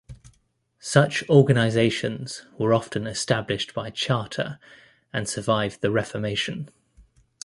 Such organisations were often established by Charter and survived the Reformation.